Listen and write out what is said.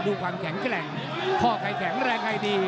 ดูความแข็งแกร่งข้อใครแข็งแรงใครดี